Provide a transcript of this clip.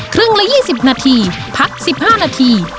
ครึ่งละ๒๐นาทีพัก๑๕นาที